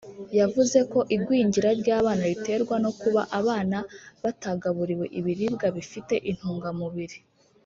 yavuze ko igwingira ry’abana riterwa no kuba abana batagaburiwe ibiribwa bifite intungamubiri